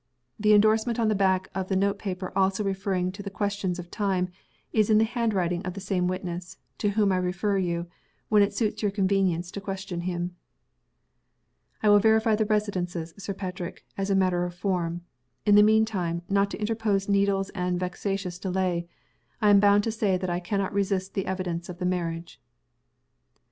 The indorsement on the back of the note paper, also referring to the question of time, is in the handwriting of the same witness to whom I refer you, when it suits your convenience to question him." "I will verify the references, Sir Patrick, as matter of form. In the mean time, not to interpose needless and vexatious delay, I am bound to say that I can not resist the evidence of the marriage."